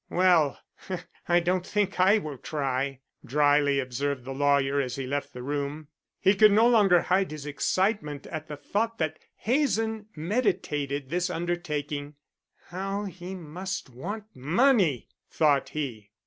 Well, I don't think I will try," dryly observed the lawyer as he left the room. He could no longer hide his excitement at the thought that Hazen meditated this undertaking. "How he must want money!" thought he.